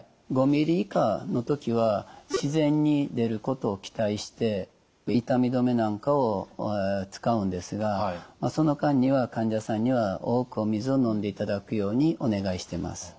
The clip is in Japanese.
５ｍｍ以下の時は自然に出ることを期待して痛み止めなんかを使うんですがその間には患者さんには多くお水を飲んでいただくようにお願いしてます。